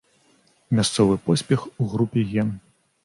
Мясцовы поспех у групе ген.